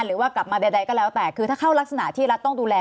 หรือว่ากลับมาใดก็แล้วแต่คือถ้าเข้ารักษณะที่รัฐต้องดูแล